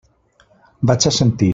Vaig assentir.